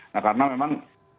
nah karena memang